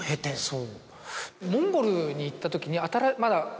そう。